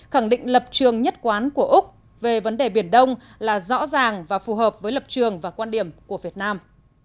khẳng định lập trường nhất quán của úc về vấn đề biển đông là rõ ràng và phù hợp với lập trường và quan điểm của việt nam